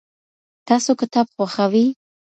تاسو کتاب خوښوئ؟